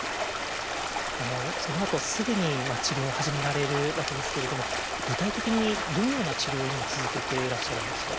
そのあとすぐに治療を始められるわけですけれども具体的にどのような治療を今続けていらっしゃるんですか？